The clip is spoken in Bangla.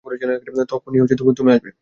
তখনই তুমি আসবে।